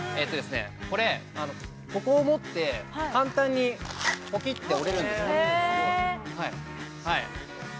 これ、ここを持って、簡単にぽきっと折れるんです。